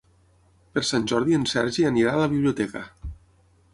Per Sant Jordi en Sergi anirà a la biblioteca.